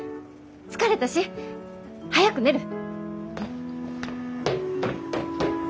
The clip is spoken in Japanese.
疲れたし早く寝る！